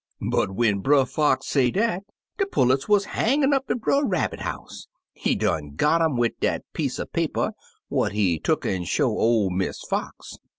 But when Brer Fox say dat, de pullets wuz hangin' up at Brer Rabbit house; he done got um wid dat piece er paper what he tuck an' show ol' Miss Fox.